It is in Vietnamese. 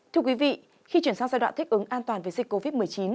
thưa quý vị khi chuyển sang giai đoạn thích ứng an toàn với dịch covid một mươi chín